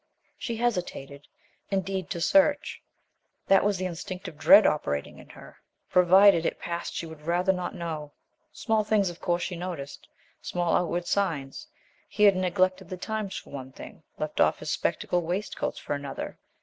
She hesitated, indeed, to search. That was the instinctive dread operating in her. Provided it passed she would rather not know. Small things, of course, she noticed; small outward signs. He had neglected The Times for one thing, left off his speckled waistcoats for another.